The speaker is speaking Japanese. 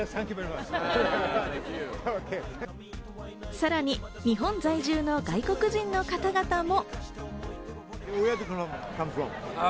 さらに、日本在住の外国人の方々も。